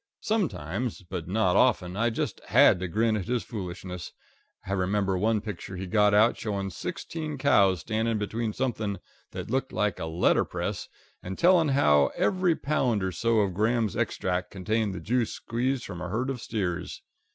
Sometimes, but not often, I just had to grin at his foolishness. I remember one picture he got out showing sixteen cows standing between something that looked like a letter press, and telling how every pound or so of Graham's Extract contained the juice squeezed from a herd of steers.